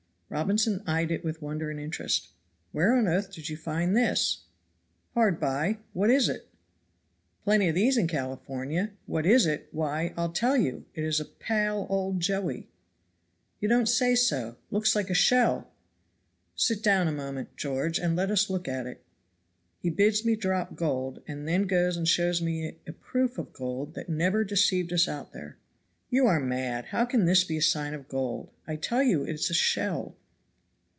Robinson eyed it with wonder and interest. "Where on earth did you find this?" "Hard by; what is it?" "Plenty of these in California. What is it? Why, I'll tell you; it is a pale old Joey." "You don't say so; looks like a shell." "Sit down a moment, George, and let us look at it. He bids me drop gold and then goes and shows me a proof of gold that never deceived us out there." "You are mad. How can this be a sign of gold? I tell you it is a shell."